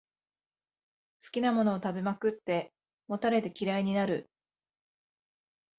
好きなものを食べまくって、もたれて嫌いになる